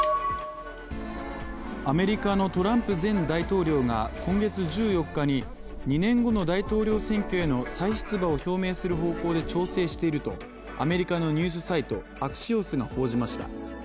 アメリカのトランプ前大統領が今月１４日に２年後の大統領選挙への再出馬を表明する方向で調整しているとアメリカのニュースサイトアクシオスが報じました。